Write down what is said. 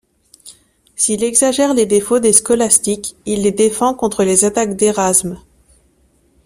S’il exagère les défauts des Scolastiques, il les défend contre les attaques d’Érasme.